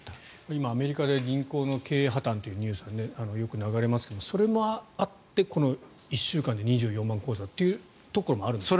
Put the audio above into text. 今、アメリカで銀行の経営破たんというニュースがよく流れますがそれもあってこの１週間で２４万口座というところもあるんですか。